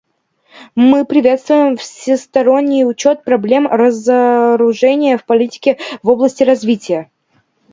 Мы приветствуем всесторонний учет проблем разоружения в политике в области развития.